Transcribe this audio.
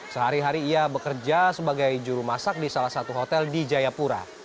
sehari hari ia bekerja sebagai juru masak di salah satu hotel di jayapura